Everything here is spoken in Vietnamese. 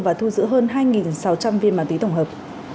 và thu giữ hơn hai sáu trăm linh viên ma túy tổng hợp